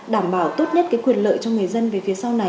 đảm bảo tốt nhất cái quyền lợi cho người dân về phía sau này